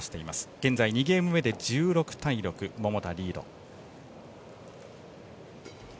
現在、２ゲーム目で１６対６桃田、リード。